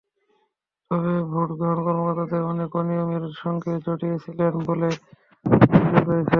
তবে ভোট গ্রহণ কর্মকর্তাদের অনেকে অনিয়মের সঙ্গে জড়িত ছিলেন বলে অভিযোগ রয়েছে।